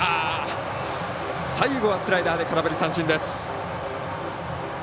最後はスライダーで空振り三振です。